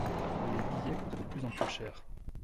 Les billets coûtent de plus en plus cher.